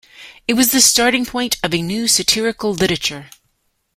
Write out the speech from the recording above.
It was the starting-point of a new satirical literature.